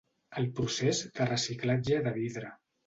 El procés de reciclatge de vidre.